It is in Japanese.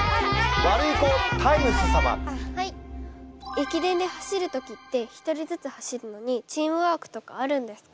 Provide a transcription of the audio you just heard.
駅伝で走る時って１人ずつ走るのにチームワークとかあるんですか？